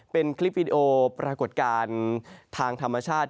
เป็นคลิปวิดีโอปรากฏการณ์ทางธรรมชาติ